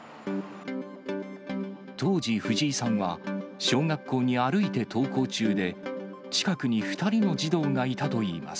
当時、藤井さんは小学校に歩いて登校中で、近くに２人の児童がいたといいます。